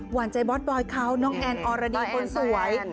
หวานใจบอสบอยเขาน้องแอนอรดีคนสวย